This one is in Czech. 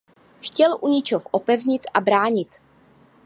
Chtěl Uničov opevnit a bránit.